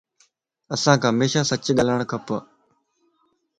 اسانک ھميشا سچ ڳالھائڻ کپ